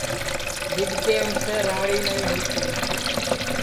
جِدؔ کہ اُنسے راڑ ہی نائی ہوئی تی